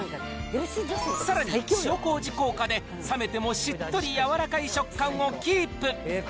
さらに、塩こうじ効果で、冷めてもしっとり柔らかい食感をキープ。